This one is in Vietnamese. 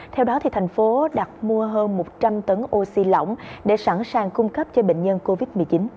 theo đó thành phố đặt mua hơn một trăm linh tấn oxy lỏng để sẵn sàng cung cấp cho bệnh nhân covid một mươi chín